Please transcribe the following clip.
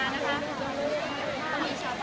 ครึ่งที่ผังเกาะหาร์นะฮะ